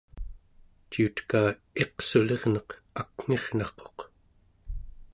ciuteka iqsulirneq akngirnarquq